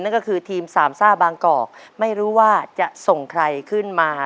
ก็คือทีมสามซ่าบางกอกไม่รู้ว่าจะส่งใครขึ้นมา